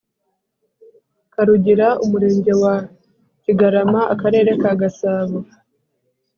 Karugira Umurenge wa Kigarama Akarere ka Gasabo